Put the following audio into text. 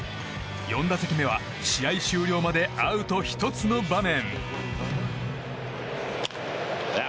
４打席目は試合終了までアウト１つの場面。